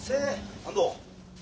安藤！